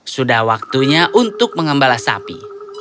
sudah waktunya untuk mengembala sapi